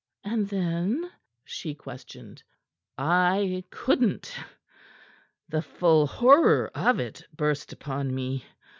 "And then?" she questioned. "I couldn't. The full horror of it burst upon me.